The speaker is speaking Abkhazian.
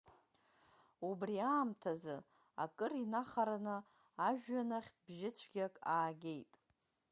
Убри аамҭазы акыр инахараны, ажәҩан ахьтә бжьы цәгьак аагеит.